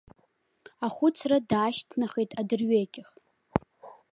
Ахәыцра даашьҭнахит адырҩегьых.